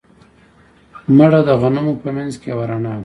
مړه د غمونو په منځ کې یو رڼا وه